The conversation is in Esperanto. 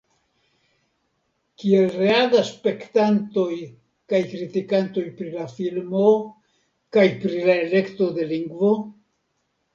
Kiel reagas spektantoj kaj kritikantoj pri la filmo, kaj pri la elekto de lingvo?